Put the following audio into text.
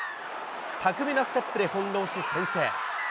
巧みなステップで翻弄し、先制。